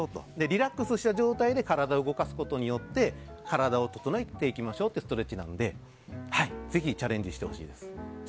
リラックスした状態で体を動かすことによって体を整えていきましょうというストレッチですのでぜひチャレンジしてほしいです。